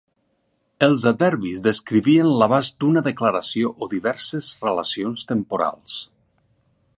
Els adverbis descrivien l'abast d'una declaració o diverses relacions temporals.